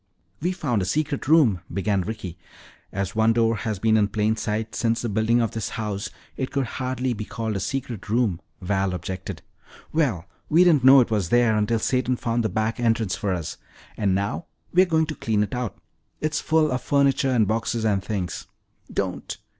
"We've found a secret room " began Ricky. "As one door has been in plain sight since the building of this house, it could hardly be called a secret room," Val objected. "Well, we didn't know it was there until Satan found the back entrance for us. And now we're going to clean it out. It's full of furniture and boxes and things." "Don't!"